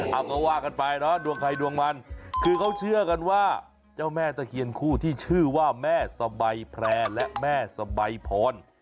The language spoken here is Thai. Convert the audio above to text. เอาก็ว่ากันไปเนาะดวงใครดวงมันคือเขาเชื่อกันว่าเจ้าแม่ตะเคียนคู่ที่ชื่อว่าแม่สบายแพร่และแม่สบายพร